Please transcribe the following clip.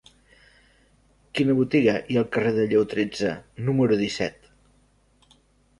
Quina botiga hi ha al carrer de Lleó tretze número disset?